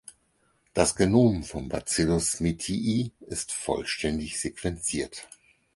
Das Genom von "Bacillus smithii" ist vollständig sequenziert.